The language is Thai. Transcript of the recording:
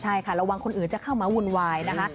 ใช่ค่ะระวังคนอื่นจะเข้ามาวุ่นวายนะคะ